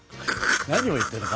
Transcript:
何を言ってるの？